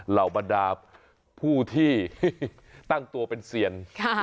เหล่าบรรดาผู้ที่ตั้งตัวเป็นเซียน